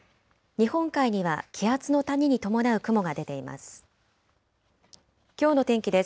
日本海には気圧の谷に伴う雲が出ています。